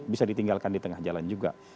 bisa ditinggalkan di tengah jalan juga